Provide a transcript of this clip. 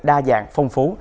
đa dạng phong phú